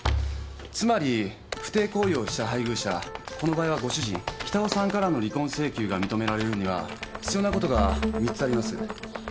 つまり不貞行為をした配偶者この場合はご主人北尾さんからの離婚請求が認められるには必要なことが三つあります。